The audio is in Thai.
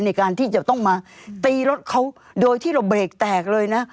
ในการที่จะต้องมาตีรถเขาโดยที่เราเบรกแตกเลยนะ